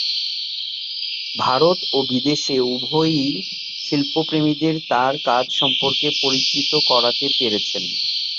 ভারত ও বিদেশে উভয়ই শিল্প প্রেমীদের তার কাজ সম্পর্কে পরিচিত করাতে পেরেছেন।